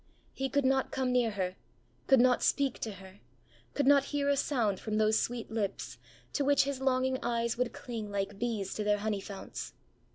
He could not come near her, could not speak to her, could not hear a sound from those sweet lips, to which his longing eyes would cling like bees to their honey founts.